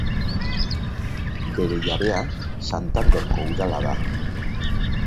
Bere jabea Santanderko Udala da.